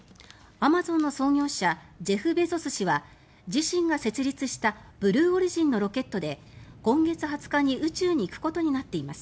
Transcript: アマゾンの創業者ジェフ・ベゾス氏は自身が設立したブルーオリジンのロケットで今月２０日に宇宙に行くことになっています。